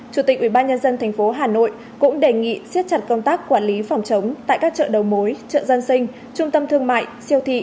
chủ tịch ubnd tp hà nội cũng đề nghị siết chặt công tác quản lý phòng chống tại các chợ đầu mối chợ dân sinh trung tâm thương mại siêu thị